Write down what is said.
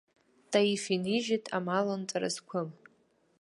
Таиф инижьит амал нҵәара зқәым.